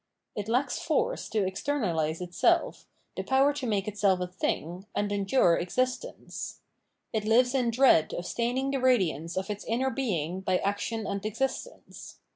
It lacks force to externalise itself, the power to make itself a thing, and endure existence. It lives in dread of staining the radiance of its inner being by action and * v.p. 200 fF. 668 Ph&iomenology o f Mind existence.